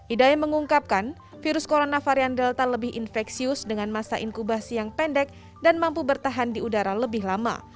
idai mengungkapkan virus corona varian delta lebih infeksius dengan masa inkubasi yang pendek dan mampu bertahan di udara lebih lama